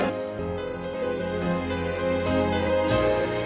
あ！